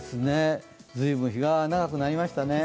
随分、日が長くなりましたね。